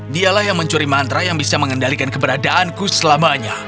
dialah yang mencuri mantra yang bisa mengendalikan keberadaanku selamanya